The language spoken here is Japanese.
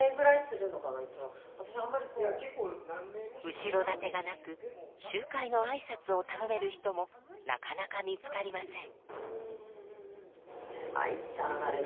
後ろ盾がなく集会のあいさつを頼める人もなかなか見つかりません。